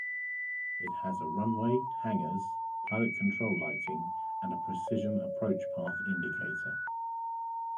It has a runway, hangars, pilot control lighting, and a Precision Approach Path Indicator.